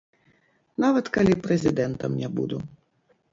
Нават калі прэзідэнтам не буду.